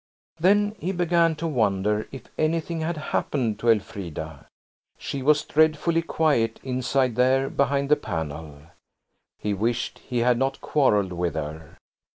Then he began to wonder if "anything had happened" to Elfrida. She was dreadfully quiet inside there behind the panel. He wished he had not quarrelled with her.